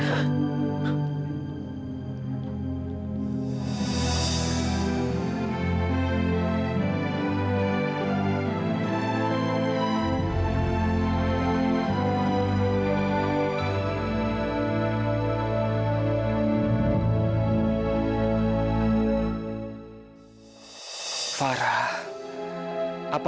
itu akhirnya kamu buat kava apa